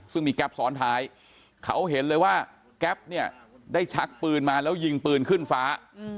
ซึ่งมีแก๊ปซ้อนท้ายเขาเห็นเลยว่าแก๊ปเนี่ยได้ชักปืนมาแล้วยิงปืนขึ้นฟ้า